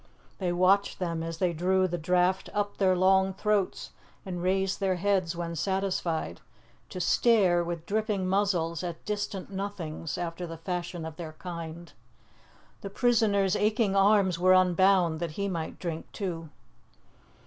They watched them as they drew the draught up their long throats and raised their heads when satisfied, to stare, with dripping muzzles, at distant nothings, after the fashion of their kind. The prisoner's aching arms were unbound that he might drink too.